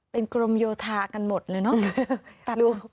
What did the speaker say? เป็นกรมโยธากันหมดเลยเนอะ